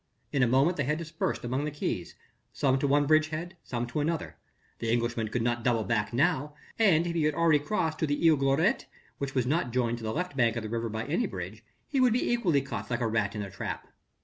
In a moment they had dispersed along the quays, some to one bridge head, some to another the Englishman could not double back now, and if he had already crossed to the Isle Gloriette, which was not joined to the left bank of the river by any bridge, he would be equally caught like a rat in a trap.